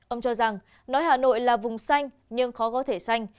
ông cho rằng nói hà nội là vùng xanh nhưng khó có thể xanh